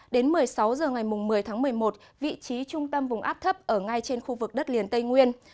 đến một mươi sáu h ngày một mươi tháng một mươi một vị trí trung tâm vùng áp thấp ở ngay trên khu vực đất liền tây nguyên